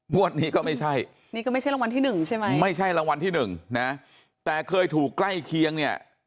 งวดนี้ก็ไม่ใช่นี่ก็ไม่ใช่รางวัลที่หนึ่งใช่ไหมไม่ใช่รางวัลที่หนึ่งนะแต่เคยถูกใกล้เคียงเนี่ย